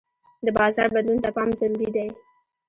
د بازار بدلون ته پام ضروري دی.